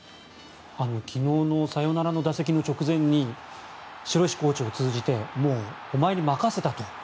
昨日のサヨナラの打席の直前に城石コーチをつうじてお前に任せたと。